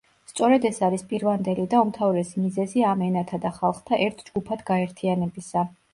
სწორედ ეს არის პირვანდელი და უმთავრესი მიზეზი ამ ენათა და ხალხთა ერთ ჯგუფად გაერთიანებისა.